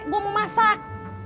gua mau masak